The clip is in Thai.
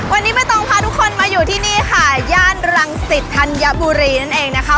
วันนี้ไม่ต้องพาทุกคนมาอยู่ที่นี่ค่ะย่านรังสิตธัญบุรีนั่นเองนะคะ